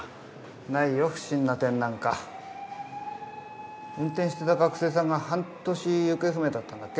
ないよ不審な点なんか運転してた学生さんが半年行方不明だったんだっけ？